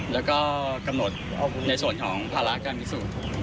แล้วก้กำหนดในส่วนของพลากมิซุ